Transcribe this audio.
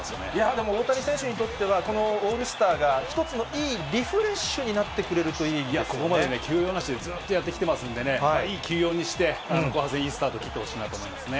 でも大谷選手にとっては、このオールスターが一つのいいリフレッシュになってくれるといいここまで休養なしでずーっとやってきてますんでね、いい休養にしていいスタート切ってほしいと思いますね。